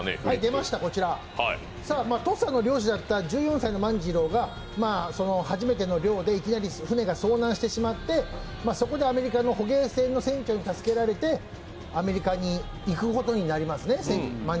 土佐の漁師だった１４歳の万次郎が初めての漁でいきなり船が遭難してしまって、そこでアメリカの捕鯨船の船長に助けてもらってアメリカに行くことになります。